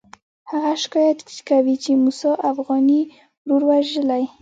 هغه شکایت کوي چې موسی اوغاني ورور وژلی.